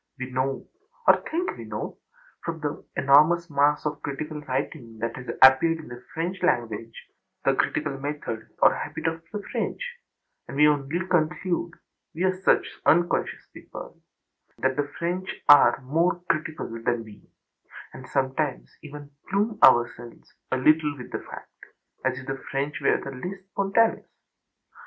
We know, or think we know, from the enormous mass of critical writing that has appeared in the French language the critical method or habit of the French; we only conclude (we are such unconscious people) that the French are âmore criticalâ than we, and sometimes even plume ourselves a little with the fact, as if the French were the less spontaneous.